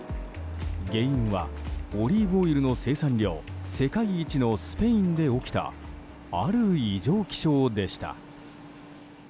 原因は、オリーブオイルの生産量世界一のスペインで起きたある異常気象でした。